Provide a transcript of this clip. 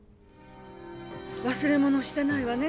忘れ物をしてないわね？